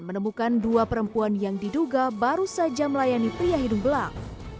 menemukan dua perempuan yang diduga baru saja melayani pria hidung belang